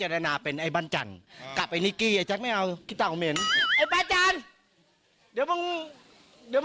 เออเดี๋ยวคนไปหาลุกกู